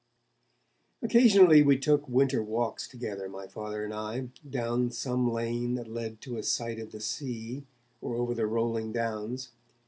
Occasionally we took winter walks together, my Father and I, down some lane that led to a sight of the sea, or over the rolling downs.